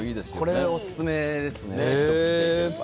これ、オススメですね。